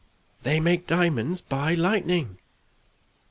They make diamonds by lightning!"